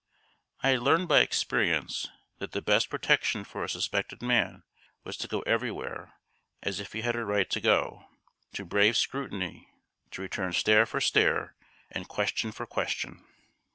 I had learned by experience that the best protection for a suspected man was to go everywhere, as if he had a right to go; to brave scrutiny; to return stare for stare and question for question.